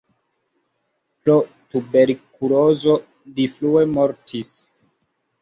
Pro tuberkulozo li frue mortis.